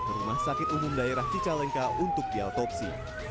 ke rumah sakit umum daerah cicalengka untuk diautopsi